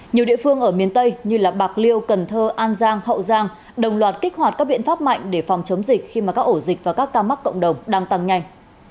nhiều địa phương ở miền tây như bạc liêu cần thơ an giang hậu giang đồng loạt kích hoạt các biện pháp mạnh để phòng chống dịch khi mà các ổ dịch và các ca mắc cộng đồng đang tăng nhanh